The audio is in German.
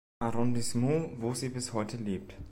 Arrondissement, wo sie bis heute lebt.